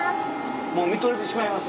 もう見とれてしまいます